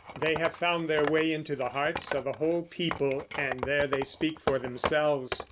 They have found their way into the hearts of a whole people, and there they speak for themselves.